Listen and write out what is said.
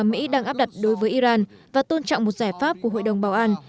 mỹ đang áp đặt đối với iran và tôn trọng một giải pháp của hội đồng bảo an